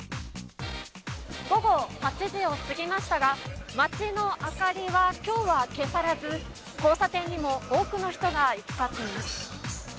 午後８時を過ぎましたが、街の明かりはきょうは消されず、交差点にも多くの人が行き交っています。